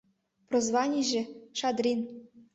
Прозванийже Шадрин.